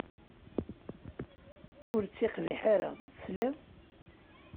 Ur ttiqbiḥ ara, tesliḍ!